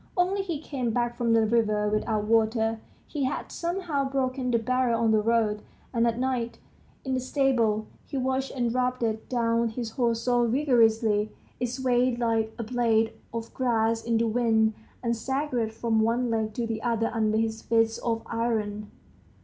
Only, he came back from the river without water, he had somehow broken the barrel on the road; and at night, in the stable, he washed and rubbed down his horse so vigorously, it swayed like a blade of grass in the wind, and staggered from one leg to the other under his fists of iron.